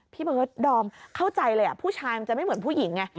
พี่เบิร์ดดอมเข้าใจเลยผู้ชายมันจะไม่เหมือนผู้หญิงไง